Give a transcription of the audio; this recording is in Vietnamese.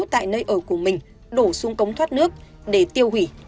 tại nơi ở của mình đổ xuống cống thoát nước để tiêu hủy